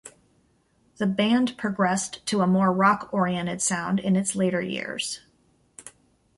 The band progressed to a more rock-oriented sound in its later years.